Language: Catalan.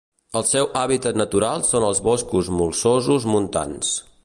El seu hàbitat natural són els boscos molsosos montans.